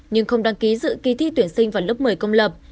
nhưng không đăng ký dự kỳ thi tuyển sinh vào lớp một mươi công lập